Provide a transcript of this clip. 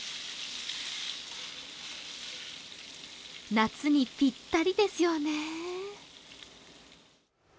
夏にぴったりですよね。